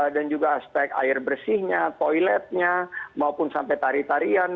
dan juga aspek air bersihnya toiletnya maupun sampai tarian dan maupun sampai tarian dan maupun sampai tarian dan maupun sampai tarian